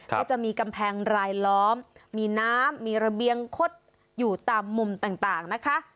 ก็จะมีกำแพงรายล้อมมีน้ำมีระเบียงคดอยู่ตามมุมต่างนะคะ